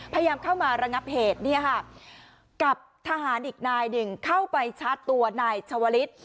พยายามเข้ามาระงับเหตุเนี่ยค่ะกับทหารอีกนายหนึ่งเข้าไปชาร์จตัวนายชาวลิศ